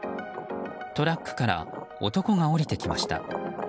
トラックから男が降りてきました。